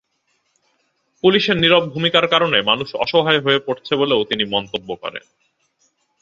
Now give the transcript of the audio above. পুলিশের নীরব ভূমিকার কারণে মানুষ অসহায় হয়ে পড়ছে বলেও তিনি মন্তব্য করেন।